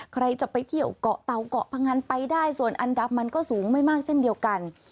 ใครจะไปเที่ยวเกาะเตาเกาะพงันไปได้ส่วนอันดับมันก็สูงไม่มากเช่นเดียวกัน